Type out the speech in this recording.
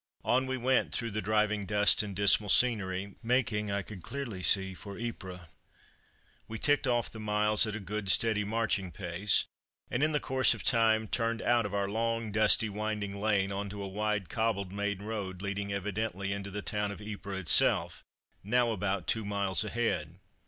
On we went through the driving dust and dismal scenery, making, I could clearly see, for Ypres. We ticked off the miles at a good steady marching pace, and in course of time turned out of our long, dusty, winding lane on to a wide cobbled main road, leading evidently into the town of Ypres itself, now about two miles ahead.